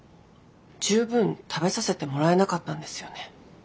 十分食べさせてもらえなかったんですよね。